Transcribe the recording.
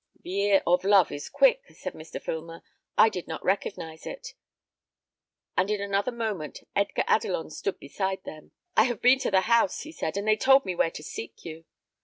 "The ear of love is quick," said Mr. Filmer. "I did not recognise it;" and in another moment Edgar Adelon stood beside them. "I have been to the house," he said, "and they told me where to seek you."